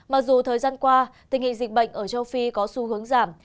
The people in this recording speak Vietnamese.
mặc dù thời gian qua tình hình dịch bệnh ở châu phi có xu hướng giảm